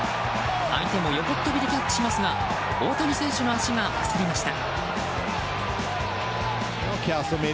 相手も横跳びでキャッチしますが大谷選手の足が勝りました。